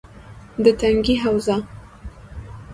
- د تنگي حوزه: